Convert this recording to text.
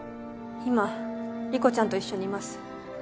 今理子ちゃんと一緒にいます。